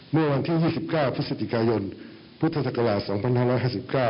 เมื่อวันที่๒๙พฤศจิกายนพุทธศักราช๒๕๕๙